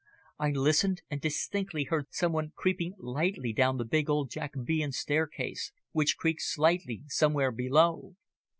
I listened, and distinctly heard some one creeping lightly down the big old Jacobean staircase, which creaked slightly somewhere below.